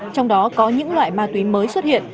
trong đó có những loại ma túy mới xuất hiện